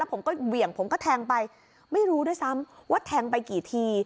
ผมก็เหวี่ยงผมก็แทงไปไม่รู้ด้วยซ้ำว่าแทงไปกี่ที